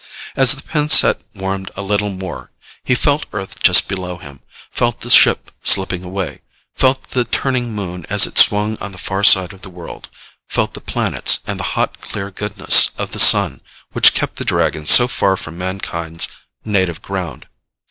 As the pin set warmed a little more, he felt Earth just below him, felt the ship slipping away, felt the turning Moon as it swung on the far side of the world, felt the planets and the hot, clear goodness of the Sun which kept the Dragons so far from mankind's native ground.